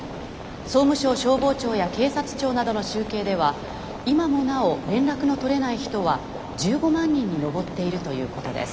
総務省消防庁や警察庁などの集計では今もなお連絡の取れない人は１５万人に上っているということです。